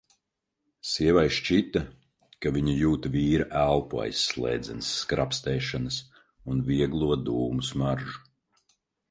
Sievai šķita, ka viņa jūt vīra elpu aiz slēdzenes skrapstēšanas un vieglo dūmu smaržu.